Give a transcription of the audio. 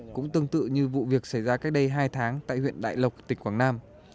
cũng tương tự như vụ việc xảy ra cách đây hai tháng tại huyện đại lộc tỉnh quảng nam